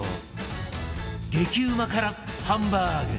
激うま辛ハンバーグ